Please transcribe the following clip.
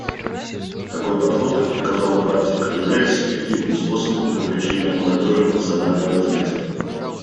Такой подход, как показала практика, является эффективным способом вовлечения молодежи в национальное развитие.